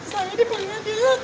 saya diberi hadiah